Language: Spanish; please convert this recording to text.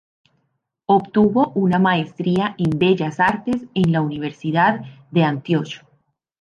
Obtuvo una Maestría en Bellas Artes en la Universidad de Antioch.